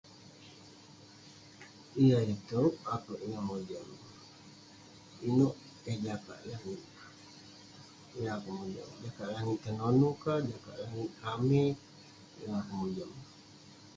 Yah itouk, akouk yeng mojam..inouk eh jakak langit, yeng akouk mojam jajak langit tenonu ka, jakak langit ramey..yeng akouk mojam..